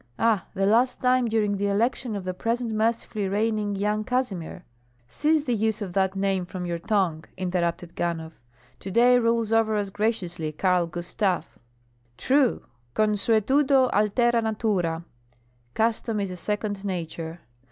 Ah, the last time during the election of the present mercifully reigning Yan Kazimir." "Cease the use of that name from your tongue," interrupted Ganhoff. "To day rules over us graciously Karl Gustav." "True! Consuetudo altera natura (custom is a second nature).